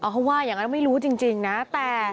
เขาว่าอย่างนั้นไม่รู้จริงนะ